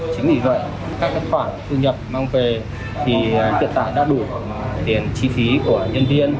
chính vì vậy các khoản thu nhập mang về thì hiện tại đã đủ tiền chi phí của nhân viên